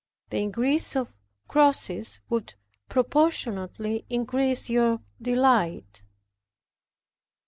The increase of crosses would proportionately increase your delight.